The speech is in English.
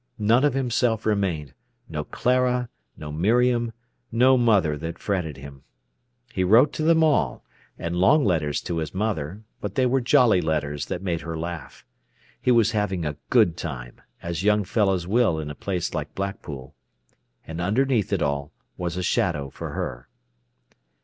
None of himself remained—no Clara, no Miriam, no mother that fretted him. He wrote to them all, and long letters to his mother; but they were jolly letters that made her laugh. He was having a good time, as young fellows will in a place like Blackpool. And underneath it all was a shadow for her.